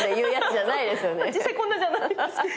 実際こんなじゃないですけど。